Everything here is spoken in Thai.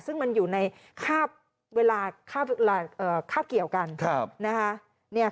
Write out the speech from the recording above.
ซึ่งมันอยู่ในคาดเกี่ยวกัน